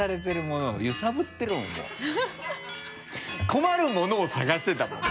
困るものを探してたもん！